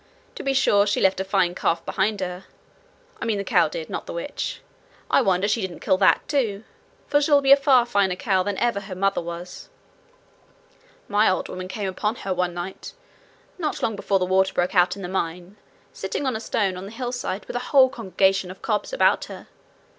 To be sure she left a fine calf behind her I mean the cow did, not the witch. I wonder she didn't kill that, too, for she'll be a far finer cow than ever her mother was.' 'My old woman came upon her one night, not long before the water broke out in the mine, sitting on a stone on the hillside with a whole congregation of cobs about her.